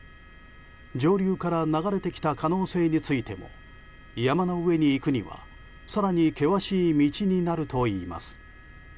上流から流れてきた可能性についても山の上に行くには更に険しい道になるといいます。